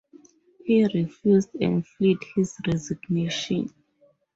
He refused and field his resignation.